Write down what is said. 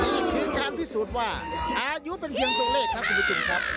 นี่คือการพิสูจน์ว่าอายุเป็นเพียงตัวเลขครับคุณผู้ชมครับ